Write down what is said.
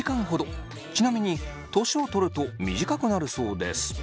ちなみに年を取ると短くなるそうです。